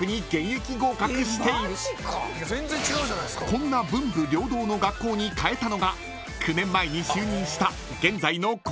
［こんな文武両道の学校に変えたのが９年前に就任した現在の校長先生］